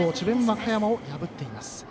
和歌山を破っています。